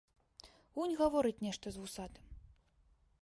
Унь гаворыць нешта з вусатым.